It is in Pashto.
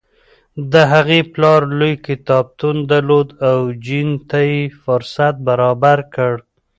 د هغې پلار لوی کتابتون درلود او جین ته یې فرصت برابر کړ.